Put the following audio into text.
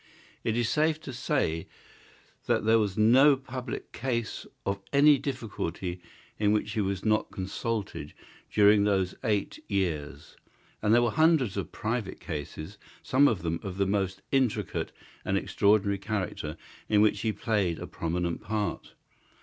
It is safe to say that there was no public case of any difficulty in which he was not consulted during those eight years, and there were hundreds of private cases, some of them of the most intricate and extraordinary character, in which he played a prominent part.